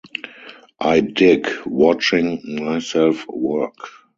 I dig watching myself work.